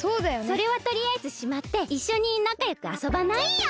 それはとりあえずしまっていっしょになかよくあそばない？いいよ。